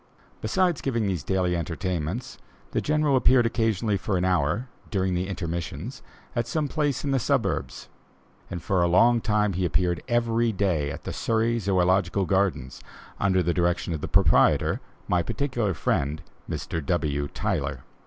Besides giving these daily entertainments, the General appeared occasionally for an hour, during the intermissions, at some place in the suburbs; and for a long time he appeared every day at the Surrey Zoölogical Gardens, under the direction of the proprietor, my particular friend Mr. W. Tyler.